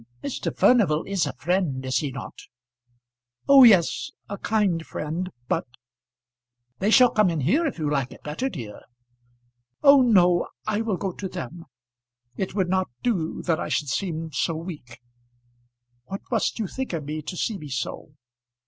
"Mr. Furnival is a friend, is he not?" "Oh, yes! a kind friend, but " "They shall come in here if you like it better, dear." "Oh, no! I will go to them. It would not do that I should seem so weak. What must you think of me to see me so?"